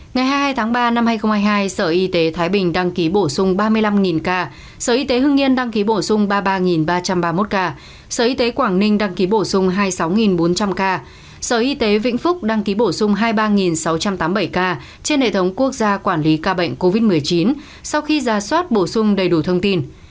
ngày hai mươi hai tháng ba năm hai nghìn hai mươi hai sở y tế thái bình đăng ký bổ sung ba mươi năm ca sở y tế hưng yên đăng ký bổ sung ba mươi ba ba trăm ba mươi một ca sở y tế quảng ninh đăng ký bổ sung hai mươi sáu bốn trăm linh ca sở y tế vĩnh phúc đăng ký bổ sung hai mươi ba sáu trăm tám mươi bảy ca trên hệ thống quốc gia quản lý ca bệnh covid một mươi chín sau khi ra soát bổ sung đầy đủ thông tin